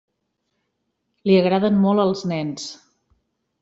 Li agraden molt els nens.